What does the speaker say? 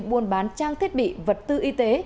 buôn bán trang thiết bị vật tư y tế